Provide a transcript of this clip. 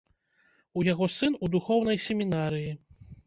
У яго сын у духоўнай семінарыі.